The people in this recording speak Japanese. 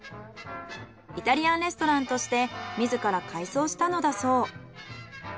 イタリアンレストランとして自ら改装したのだそう。